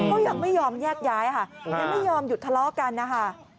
ก็ยังไม่ยอมแยกย้ายค่ะยังไม่ยอมหยุดทะเลาะกันนะคะ